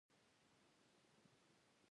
ای دلرغونوعظمتوچونغره!